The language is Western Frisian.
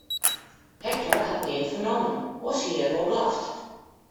Hektor hat neat fernommen, oars hie er wol blaft.